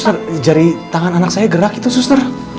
sustar jari tangan anak saya gerak itu sustar